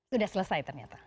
sudah selesai ternyata